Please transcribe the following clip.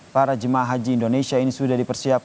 para jemaah haji indonesia ini sudah dipersiapkan